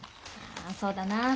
あそうだな。